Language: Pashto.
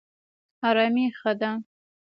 ارامي ښه ده.